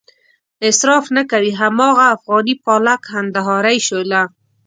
اصراف نه کوي هماغه افغاني پالک، کندهارۍ شوله.